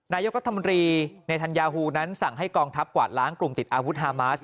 นายกรัฐมนตรีในธัญญาฮูนั้นสั่งให้กองทัพกวาดล้างกลุ่มติดอาวุธฮามาส